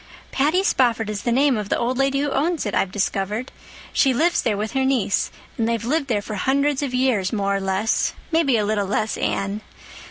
"Patty Spofford is the name of the old lady who owns it, I've discovered. She lives there with her niece, and they've lived there for hundreds of years, more or less—maybe a little less, Anne.